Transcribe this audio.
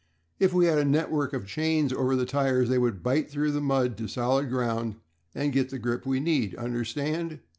If we had a network of chains over the tires they would bite through the mud to solid ground and get the grip we need. Understand?"